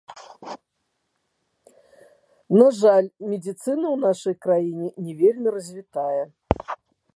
На жаль, медыцына ў нашай краіне не вельмі развітая.